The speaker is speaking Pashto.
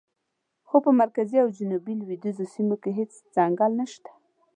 خو په مرکزي او جنوب لویدیځو سیمو کې هېڅ ځنګل نشته.